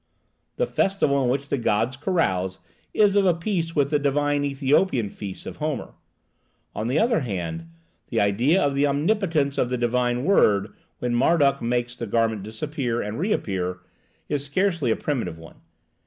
The festival in which the gods carouse is of a piece with the divine Ethiopian feasts of Homer. On the other hand, the idea of the omnipotence of the divine word, when Marduk makes the garment disappear and reappear, is scarcely a primitive one.